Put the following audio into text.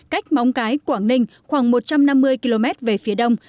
cách móng cái quảng ninh khoảng một trăm năm mươi km về phía đông